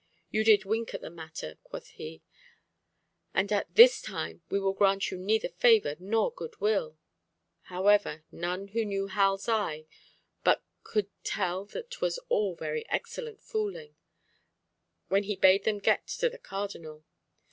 You did wink at the matter,' quoth he, 'and at this time we will grant you neither favour nor good will.' However, none who knew Hal's eye but could tell that 'twas all very excellent fooling, when he bade them get to the Cardinal.